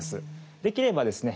できればですね